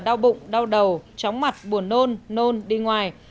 đau bụng đau đầu chóng mặt buồn nôn nôn đi ngoài